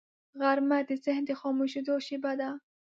غرمه د ذهن د خاموشیدو شیبه ده